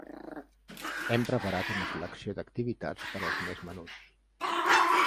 Hem preparat una selecció d'activitats per als més menuts.